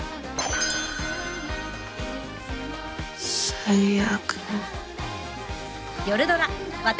最悪。